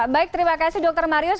baik terima kasih dokter marius